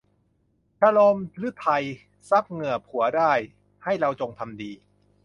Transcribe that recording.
ชะโลมฤทัย ซับเหงื่อผัวได้ ให้เราจงทำดี